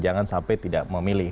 jangan sampai tidak memilih